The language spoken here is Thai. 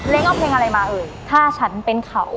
เอาเพลงอะไรมาเอ่ยถ้าฉันเป็นเขา